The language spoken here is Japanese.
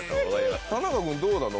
田中君どうなの？